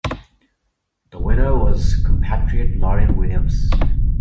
The winner was compatriot Lauryn Williams.